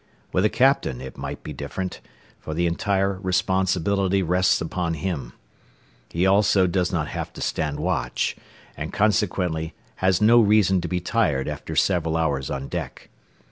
With a captain it might be different, for the entire responsibility rests upon him. He also does not have to stand watch, and consequently has no reason to be tired after several hours on deck.